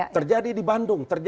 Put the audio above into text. terjadi di bandung